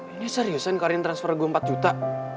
ini seriusan karin transfer gue empat juta